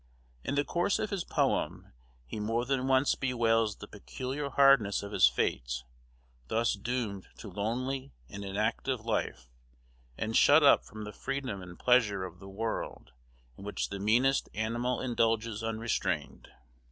In the course of his poem, he more than once bewails the peculiar hardness of his fate, thus doomed to lonely and inactive life, and shut up from the freedom and pleasure of the world in which the meanest animal indulges unrestrained.